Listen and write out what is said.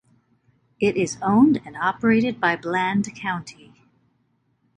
It is owned and operated by Bland County.